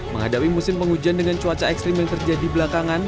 menghadapi musim penghujan dengan cuaca ekstrim yang terjadi belakangan